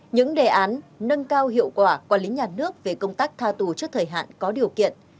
những đề án nâng cao hiệu quả quản lý nhà nước về công tác tha tù trước thời hạn có điều kiện